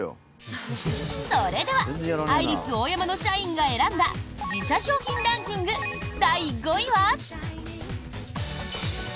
それではアイリスオーヤマの社員が選んだ自社商品ランキング第５位は。